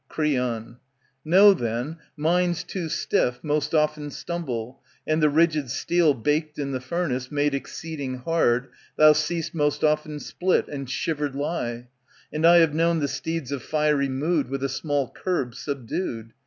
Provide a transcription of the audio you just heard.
Creon, Know then, minds too stiff Most often stumble, and the rigid steel Baked in the furnace, made exceeding hard, Thou see'st most often split and shivered lie ; And I have known the steeds of fiery mood With a small curb subdued.